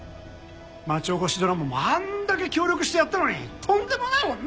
町おこしドラマもあんだけ協力してやったのにとんでもない女や！